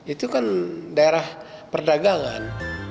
itu kan daerah perdagangan